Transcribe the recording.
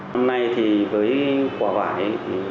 năm nay thì với quả vải